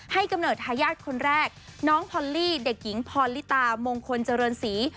กำเนิดทายาทคนแรกน้องพอลลี่เด็กหญิงพรลิตามงคลเจริญศรี